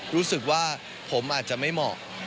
รู้สึกว่าผมอาจจะไม่เหมาะ